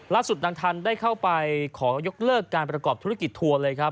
นางทันได้เข้าไปขอยกเลิกการประกอบธุรกิจทัวร์เลยครับ